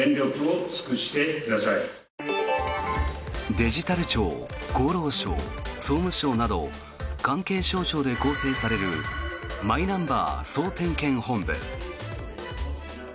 デジタル庁厚労省、総務省など関係省庁で構成されるマイナンバー総点検本部。